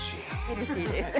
ヘルシーです。